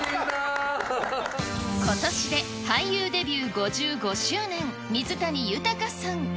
ことしで俳優デビュー５５周年、水谷豊さん。